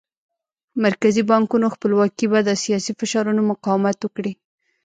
مرکزي بانکونو خپلواکي به د سیاسي فشارونو مقاومت وکړي.